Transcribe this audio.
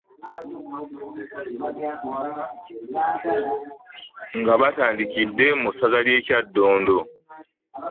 Nga batandikidde mu ssaza ly'e Kyaddondo.